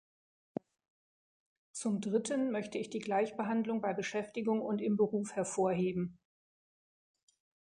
Zum Dritten möchte ich die Gleichbehandlung bei Beschäftigung und im Beruf hervorheben.